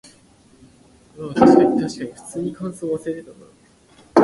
More recently he and Roger Bellon wrote "Highlander - A Celtic Opera".